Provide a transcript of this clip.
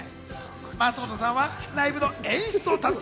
松本さんはライブの演出を担当。